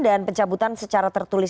dan pencabutan secara tertulis